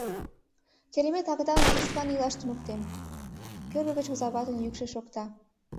Керемет агытаным тӱшкан илаш туныктем, — кӧргӧ гыч озаватын йӱкшӧ шокта.